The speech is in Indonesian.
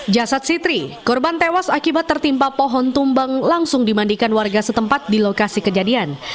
jasad sitri korban tewas akibat tertimpa pohon tumbang langsung dimandikan warga setempat di lokasi kejadian